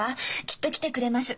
きっと来てくれます。